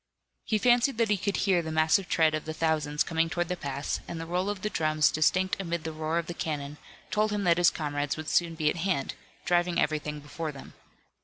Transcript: He fancied that he could hear the massive tread of the thousands coming toward the pass, and the roll of the drums, distinct amid the roar of the cannon, told him that his comrades would soon be at hand, driving everything before them.